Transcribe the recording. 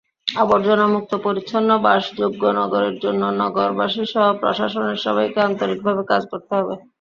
আবর্জনামুক্ত পরিচ্ছন্ন বাসযোগ্য নগরের জন্য নগরবাসীসহ প্রশাসনের সবাইকে আন্তরিকভাবে কাজ করতে হবে।